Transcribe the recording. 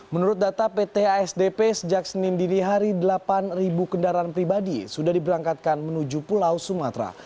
menurut data pt asdp sejak senin dini hari delapan kendaraan pribadi sudah diberangkatkan menuju pulau sumatera